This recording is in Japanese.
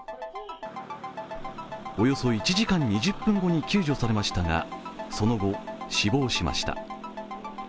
およそ１時間２０分後に救助されましたがその後、死亡しました。